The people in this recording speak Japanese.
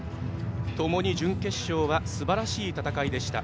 ともに準決勝はすばらしい戦いでした。